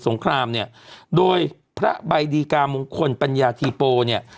งครามเนี่ยโดยพระใบดีกามงคลปัญญาธีโปเนี่ย